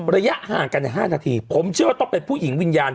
ระยะห่างกันใน๕นาทีผมเชื่อว่าต้องเป็นผู้หญิงวิญญาณ